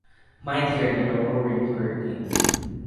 Mightier than a roaring hurricane!